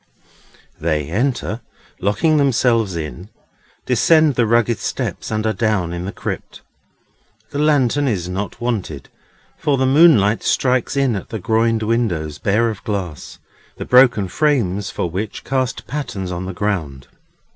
They enter, locking themselves in, descend the rugged steps, and are down in the Crypt. The lantern is not wanted, for the moonlight strikes in at the groined windows, bare of glass, the broken frames for which cast patterns on the ground.